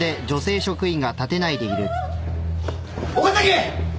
岡崎！